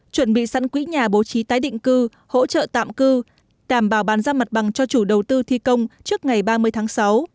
chuẩn bị sẵn quỹ nhà bố trí tái định cư hỗ trợ tạm cư đảm bảo bàn giao mặt bằng cho chủ đầu tư thi công trước ngày ba mươi tháng sáu